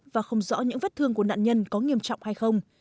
và không rõ những vết thương của nạn nhân có nghiêm trọng hay không